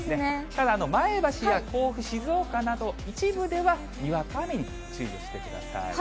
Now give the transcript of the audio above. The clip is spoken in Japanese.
ただ、前橋や甲府、静岡など、一部ではにわか雨に注意をしてください。